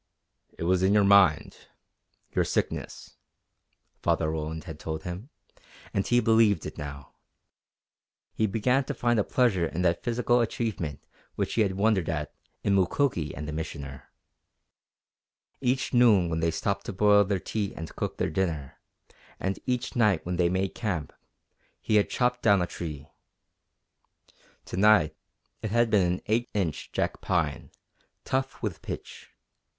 "It was in your mind your sickness," Father Roland had told him, and he believed it now. He began to find a pleasure in that physical achievement which he had wondered at in Mukoki and the Missioner. Each noon when they stopped to boil their tea and cook their dinner, and each night when they made camp, he had chopped down a tree. To night it had been an 8 inch jack pine, tough with pitch.